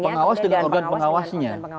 pengawas dengan organ pengawasnya